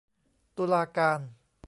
ตุลาการ